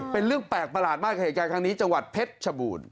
เป็นเรื่องแปลกประหลาดมากกับเหตุการณ์ครั้งนี้จังหวัดเพชรชบูรณ์